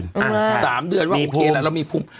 อ่าใช่มีภูมิ๓เดือนว่าโอเคแล้วเรามีภูมิ